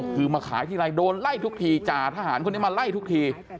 คือมาขายทีไรโดนไล่ทุกทีจ่าทหารคนนี้มาไล่ทุกที